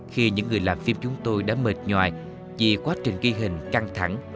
khi những người làm phim chúng tôi đã mệt nhòa vì quá trình ghi hình căng thẳng